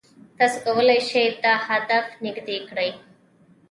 تاسو کولای شئ دا هدف نږدې کړئ.